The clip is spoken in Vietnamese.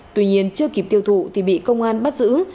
tuy nhiên chưa kịp tiêu thụ thì bị công an bắt giữ